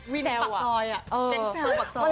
วินิปักซอยอะเจ็นแซลปักซอย